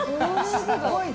すごいな。